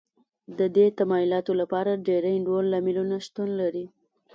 د دې تمایلاتو لپاره ډېری نور لاملونو شتون لري